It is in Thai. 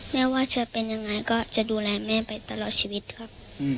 ไม่ว่าจะเป็นยังไงก็จะดูแลแม่ไปตลอดชีวิตครับ